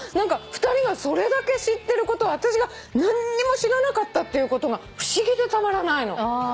２人がそれだけ知ってること私が何にも知らなかったっていうことが不思議でたまらないの。